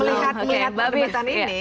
melihat perkhidmatan ini